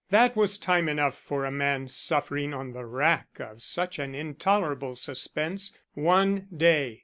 That was time enough for a man suffering on the rack of such an intolerable suspense one day.